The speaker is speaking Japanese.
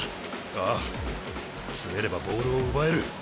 ああ詰めればボールを奪える。